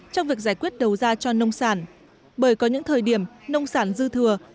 trong việc giải quyết đầu ra cho nông sản bởi có những thời điểm nông sản dư thừa